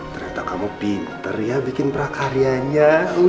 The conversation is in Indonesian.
ternyata kamu pinter ya bikin prakaryanya